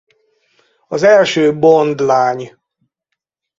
Az első Bond-lány.